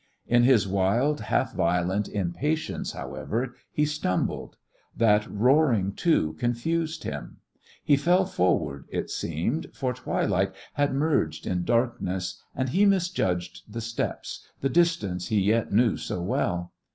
In his wild, half violent impatience, however, he stumbled. That roaring, too, confused him. He fell forward, it seemed, for twilight had merged in darkness, and he misjudged the steps, the distances he yet knew so well.